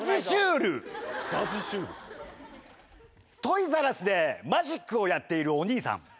ＺＡＺＹシュール⁉トイザらスでマジックをやっているお兄さん。